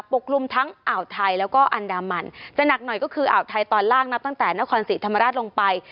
กลุ่มทั้งอ่าวไทยแล้วก็อันดามันจะหนักหน่อยก็คืออ่าวไทยตอนล่างนับตั้งแต่นครศรีธรรมราชลงไป